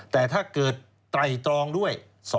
แต่ถ้าเกิดไตรตรองด้วย